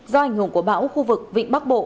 do ảnh hưởng của bão khu vực vịnh bắc bộ